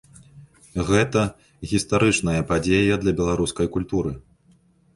Гэта гістарычная падзея для беларускай культуры.